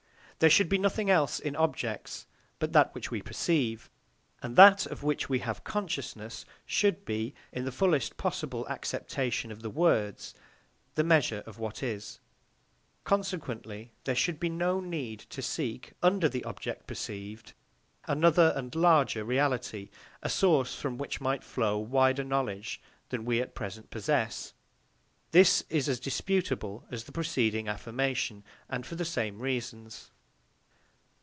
There should be nothing else in objects but that which we perceive, and that of which we have consciousness should be, in the fullest possible acceptation of the words, the measure of what is. Consequently there should be no need to seek, under the object perceived, another and larger reality, a source from which might flow wider knowledge than that we at present possess. This is as disputable as the preceding affirmation, and for the same reasons.